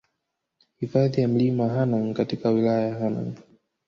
Hifadhi ya Mlima Hanang katika wilaya Hanang